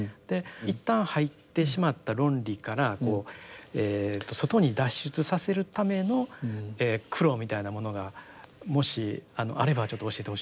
一旦入ってしまった論理からこう外に脱出させるための苦労みたいなものがもしあればちょっと教えてほしいんですけど。